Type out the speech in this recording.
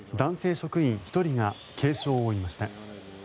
職員１人が軽傷を負いました。